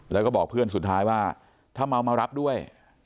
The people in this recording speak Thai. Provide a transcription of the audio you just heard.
แล้วก็บอกเพื่อนสุดท้ายว่าถ้าเมามารับด้วย